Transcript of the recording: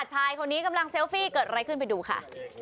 ชายคนนี้กำลังเซลฟี่เกิดอะไรขึ้นไปดูค่ะ